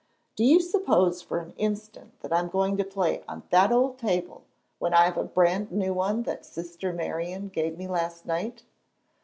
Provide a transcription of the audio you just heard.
"Do you suppose for an instant that I'm going to play on that old table when I have a brand new one that Sister Marian gave me last night?